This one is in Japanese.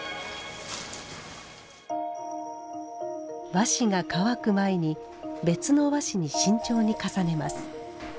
和紙が乾く前に別の和紙に慎重に重ねます。